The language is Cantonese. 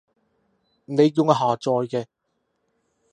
你叫我下載嘅